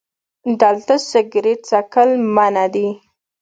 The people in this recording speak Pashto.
🚭 دلته سګرټ څکل منع دي